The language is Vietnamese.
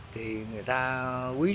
thì người ta quý lắm